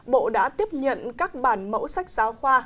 bộ đã tiếp nhận các bản mẫu sách giáo khoa